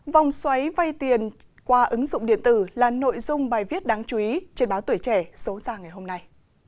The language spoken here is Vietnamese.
vòng xoáy vay tiền qua ứng dụng điện tử là nội dung bài viết đáng chú ý trên báo tuổi trẻ số ra ngày hôm nay